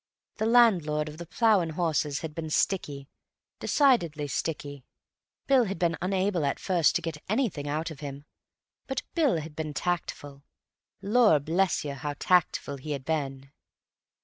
The landlord of the "Plough and Horses" had been sticky, decidedly sticky—Bill had been unable at first to get anything out of him. But Bill had been tactful; lorblessyou, how tactful he had been.